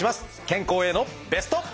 健康へのベスト。